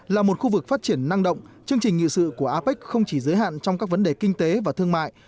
là một khu vực phát triển năng động chương trình nghị sự của apec không chỉ giới hạn trong các vấn đề kinh tế và thương mại